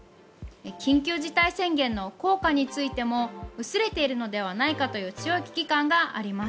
緊急事態宣言の効果についても薄れているのではないかという強い危機感があります。